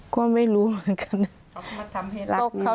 ก็ไม่รู้เหมือนกัน